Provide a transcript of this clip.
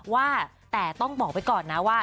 ว่าแต่ต้องบอกไว้ก่อนนะว่า